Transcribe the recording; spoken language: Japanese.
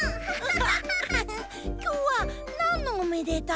きょうはなんのおめでた？